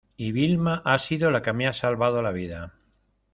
y Vilma ha sido la que me ha salvado la vida.